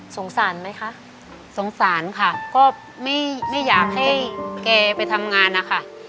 สงสารไหมคะสงสารค่ะก็ไม่อยากให้แกไปทำงานนะคะ